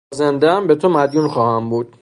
تا زندهام بهتو مدیون خواهم بود.